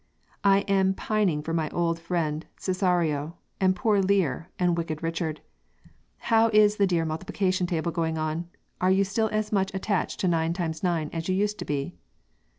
I am pining for my old friend Cesario, and poor Lear, and wicked Richard. How is the dear Multiplication table going on? are you still as much attached to 9 times 9 as you used to be?"